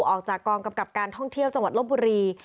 ออกจากกองกำกับการท่องเที่ยวจังหวัดลบบุรี